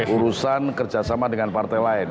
urusan kerjasama dengan partai lain